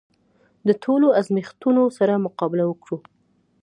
د ټولو ازمېښتونو سره مقابله وکړو.